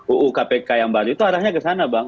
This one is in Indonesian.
uu kpk yang baru itu arahnya ke sana bang